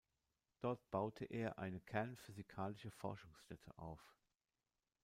Dort baute er eine kernphysikalische Forschungsstätte auf.